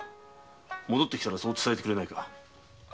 戻ってきたらそう伝えてくれないか。